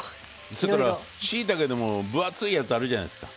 それからしいたけでも分厚いやつあるじゃないですか。